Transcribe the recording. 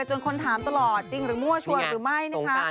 จนคนถามตลอดจริงหรือมั่วชวนหรือไม่นะคะ